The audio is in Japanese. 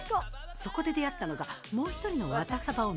そこで出会ったのがもう一人のワタサバ女